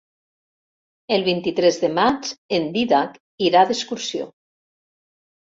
El vint-i-tres de maig en Dídac irà d'excursió.